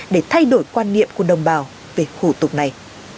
để thay đổi quan niệm của đồng bào về khủ tục này